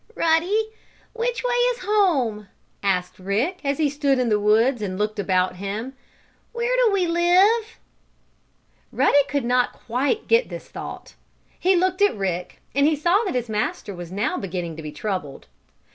"Ruddy, which way is home?" asked Rick, as he stood in the woods, and looked about him. "Where do we live?" Ruddy could not quite get this thought. He looked at Rick, and he saw that his master was now beginning to be troubled.